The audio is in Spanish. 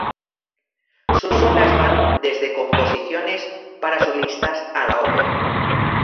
Sus obras van desde composiciones para solistas a la ópera.